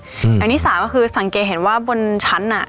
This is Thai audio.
อย่างที่สามก็คือสังเกตเห็นว่าบนชั้นอ่ะ